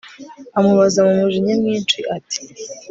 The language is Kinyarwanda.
amubaza numujinya mwinshi ati